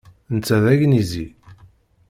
Netta d agnizi.